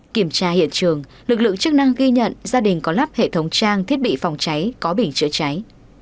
kiểm tra hiện trường lực lượng chức năng ghi nhận gia đình có lắp hệ thống trang thiết bị phòng cháy có bình chữa cháy